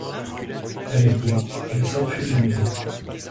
Paniquée, elle s’enfuit de la maison.